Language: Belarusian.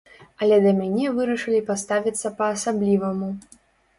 Але да мяне вырашылі паставіцца па-асабліваму.